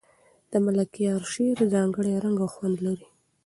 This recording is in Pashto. د ملکیار شعر ځانګړی رنګ او خوند لري.